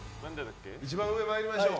一番上、まいりましょう。